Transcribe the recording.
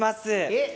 えっ？